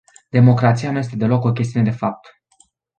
Democrația nu este deloc o chestiune de fapt.